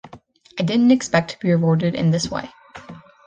I didn’t expect to be rewarded in this way.